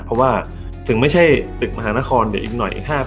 เพราะว่าถึงไม่ใช่ตึกมหานครเดี๋ยวอีกหน่อย